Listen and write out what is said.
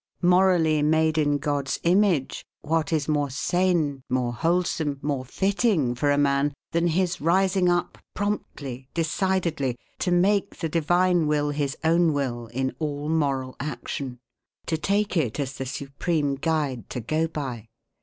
Morally made in God's image, what is more sane, more wholesome, more fitting, for a man than his rising up promptly, decidedly, to make the Divine Will his own will in all moral action, to take it as the supreme guide to go by?